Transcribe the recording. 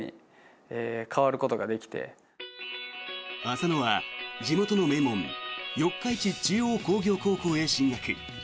浅野は地元の名門四日市中央工業高校へ進学。